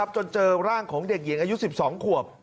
จนเจอร่างของเด็กหญิงอายุ๑๒ขวบ